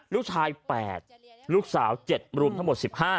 ลูกชาย๘ลูกสาว๗รวมทั้งหมด๑๕